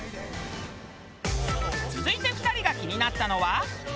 続いて２人が気になったのは。